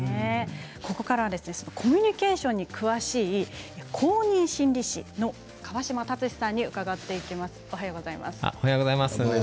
ここからはコミュニケーションに詳しい公認心理師の川島達史さんに伺います。